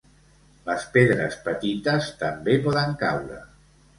Les pedres petites també poden caure.